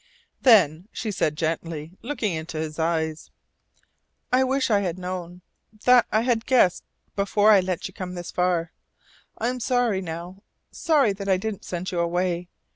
Then she said gently, looking into his eyes: "I wish I had known that I had guessed before I let you come this far. I am sorry now sorry that I didn't send you away.